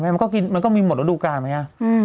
มันก็มีหมดระดูกการไหม